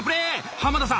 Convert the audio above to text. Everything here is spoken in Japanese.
濱田さん